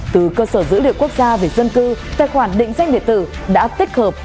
từ cơ sở dữ liệu quốc gia về dân cư tài khoản định danh điện tử đã tích hợp